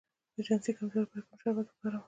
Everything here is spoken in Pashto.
د جنسي کمزوری لپاره کوم شربت وکاروم؟